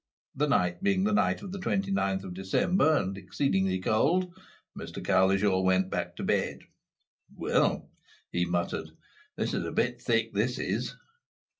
The night being the night of the 29th December, and exceedingly cold, Mr Cowlishaw went back to bed. "Well," he muttered, "this is a bit thick, this is!"